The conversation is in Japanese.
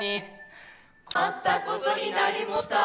こまったことになりもうした。